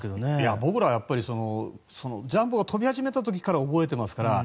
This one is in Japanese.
僕らはジャンボが飛び始めた時から覚えていますから。